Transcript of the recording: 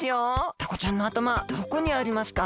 タコちゃんのあたまはどこにありますか？